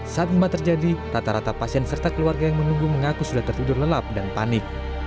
saat gempa terjadi rata rata pasien serta keluarga yang menunggu mengaku sudah tertidur lelap dan panik